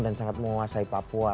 dan sangat menguasai papua